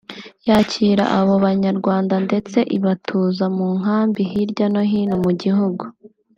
yakira abo Banyarwanda ndetse ibatuza mu nkambi hirya no hino mu gihugu